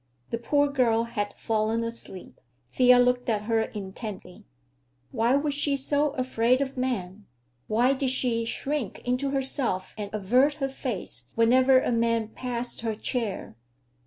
The poor girl had fallen asleep. Thea looked at her intently. Why was she so afraid of men? Why did she shrink into herself and avert her face whenever a man passed her chair?